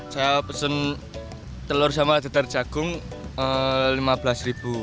saya pesen telur sama deter jagung lima belas rupiah